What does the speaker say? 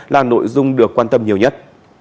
là nội dung được quan tâm nhiều nhất